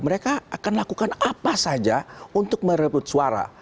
mereka akan lakukan apa saja untuk merebut suara